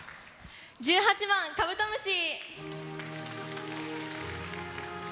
１８番「カブトムシ」。